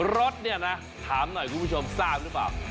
รถเนี่ยนะถามหน่อยคุณผู้ชมทราบหรือเปล่า